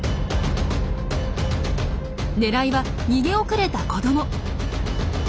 狙いは逃げ遅れた子ども。